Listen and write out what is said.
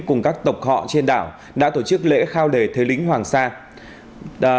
cùng các tộc họ trên đảo đã tổ chức lễ khao lề thế lính hoàng sa